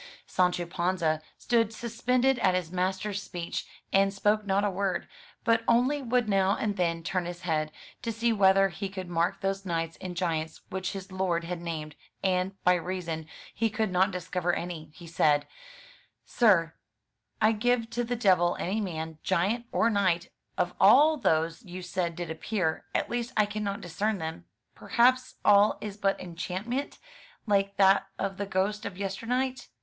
Sancho Panza stood suspended at his master's speech, and spoke not a word, but only would now and then turn his head, to see whether he could mark those knights and giants which his lord had named; and, by reason he could not discover any, he said: "Sir, I give to the devil any man, giant, or knight, of all those you said did appear; at least I cannot discern them. Perhaps all is but enchantment, like that of the ghosts of yester night."